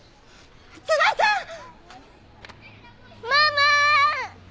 ママ！